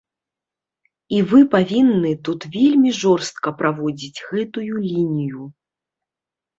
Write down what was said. І вы павінны тут вельмі жорстка праводзіць гэтую лінію.